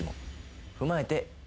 踏まえて。